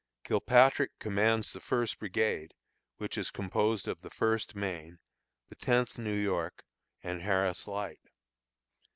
Kilpatrick commands the First brigade, which is composed of the First Maine, the Tenth New York, and Harris Light.